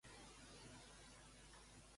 Què li ha reconegut a May?